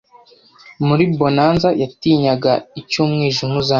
Muri Bonanza yatinyaga icyo Umwijima uzana